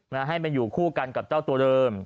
มาให้มาอยู่คู่กันกับเจ้าตัวเดิม